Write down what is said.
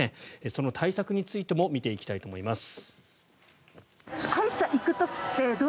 その対策についても見ていきたいと思います。